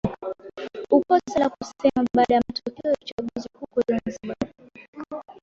ukosa la kusema baada ya matokeo ya uchaguzi huko zanzibar